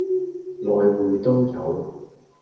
外滙都有